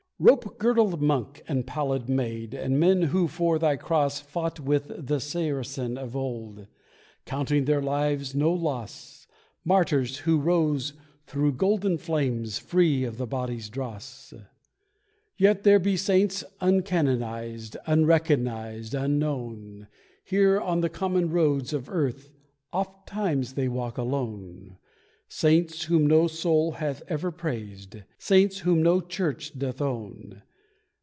Rope girdled monk, and pallid maid, And men who for Thy cross Fought with the Saracen of old, Counting their lives no loss Martyrs who rose through golden flames, Free of the body's dross. Yet there be Saints uncanonised, Unrecognised, unknown Here on the common roads of earth, Oft times they walk alone; Saints whom no soul hath ever praised, Saints whom no Church doth own.